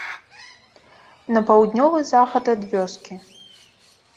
На паўднёвы захад ад вёскі.